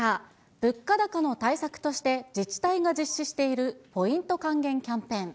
物価高の対策として自治体が実施しているポイント還元キャンペーン。